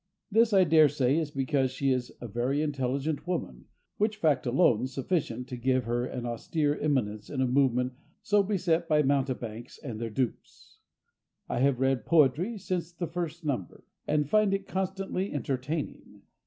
This, I daresay, is because she is a very intelligent woman, which fact is alone sufficient to give her an austere eminence in a movement so beset by mountebanks and their dupes. I have read Poetry since the first number, and find it constantly entertaining.